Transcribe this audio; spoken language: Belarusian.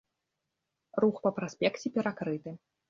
Рух па праспекце перакрыты.